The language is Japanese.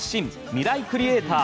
ミライクリエイター」。